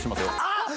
あっ！